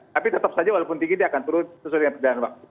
tapi tetap saja walaupun tinggi dia akan turun sesuai dengan perjalanan waktu